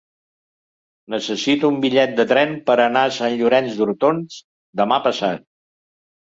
Necessito un bitllet de tren per anar a Sant Llorenç d'Hortons demà passat.